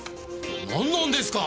なんなんですか！？